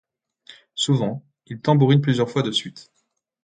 Souvent, il tambourine plusieurs fois de suite.